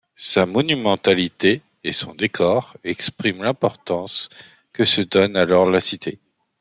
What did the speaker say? Sa monumentalité et son décor expriment l'importance que se donne alors la cité.